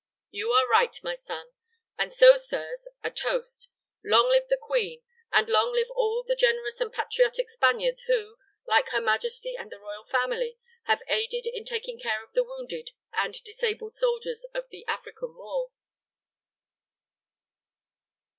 "You are right, my son: and so, sirs, a toast. Long live the Queen, and long live all the generous and patriotic Spaniards who, like Her Majesty and the Royal Family, have aided in taking care of the wounded and disabled soldiers of the African war!"